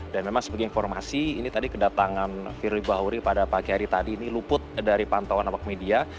dan memang sebagai informasi ini tadi kedatangan firly bahuri pada pagi hari tadi ini luput dari pantauan awak media